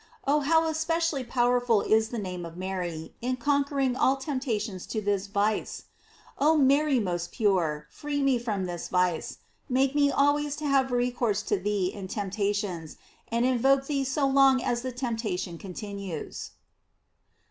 Oh, how especially powerful is the name of Mary, in conquering all temptations to this vice ! Oh Mary, most pure, free me from this vice; make me always to have recourse to thee in temptations, and invoke thee so long as the temptation continues.